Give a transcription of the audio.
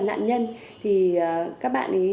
nạn nhân thì các bạn ấy